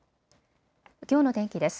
きょうの天気です。